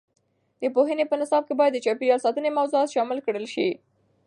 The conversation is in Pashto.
د پوهنې په نصاب کې باید د چاپیریال ساتنې موضوعات شامل کړل شي.